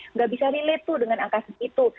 nggak bisa relate tuh dengan angka set itu